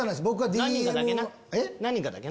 何人かだけな。